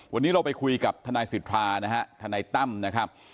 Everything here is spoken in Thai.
วันนี้เราไปคุยกับทนายสิทธานะฮะทนายตั้มนะครับ